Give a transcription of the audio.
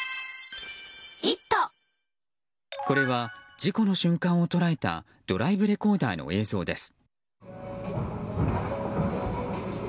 これは事故の瞬間を捉えたドライブレコーダーの映像です。